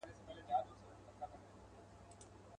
د ملګري یې سلا خوښه سوه ډېره.